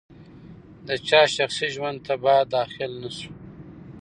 د چا شخصي ژوند ته باید داخل نه شو.